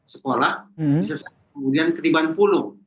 sekolah bisa sampai kemudian ketibaan puluh